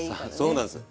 そうなんです。